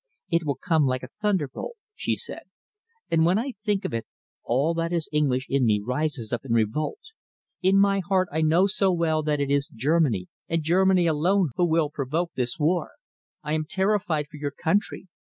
"It will come like a thunderbolt," she said, "and when I think of it, all that is English in me rises up in revolt. In my heart I know so well that it is Germany and Germany alone who will provoke this war. I am terrified for your country.